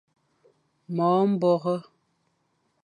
Mo mbore.